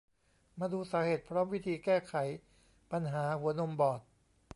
มาดูสาเหตุ พร้อมวิธีแก้ไขปัญหาหัวนมบอด